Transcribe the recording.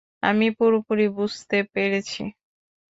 আমি পুরোপুরি বুঝতে পেরেছি।